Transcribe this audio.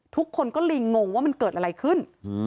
ทุกคนก็เลยงงว่ามันเกิดอะไรขึ้น